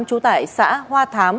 trú tại xã hoa thám